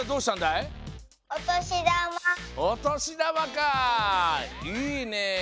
いいね！